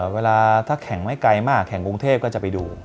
เวลาถ้าแข่งไม่ไกลมากแข่งกรุงเทพก็จะไปดู